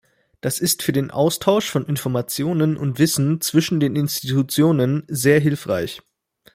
Das ist für den Austausch von Informationen und Wissen zwischen den Institutionen sehr hilfreich.